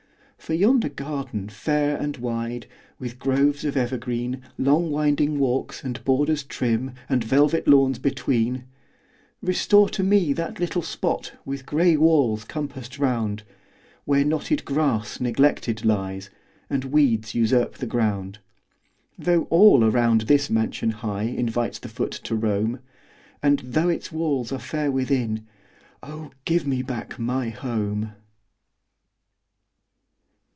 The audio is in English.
For yonder garden, fair and wide, With groves of evergreen, Long winding walks, and borders trim, And velvet lawns between; Restore to me that little spot, With gray walls compassed round, Where knotted grass neglected lies, And weeds usurp the ground. Though all around this mansion high Invites the foot to roam, And though its halls are fair within Oh, give me back my HOME!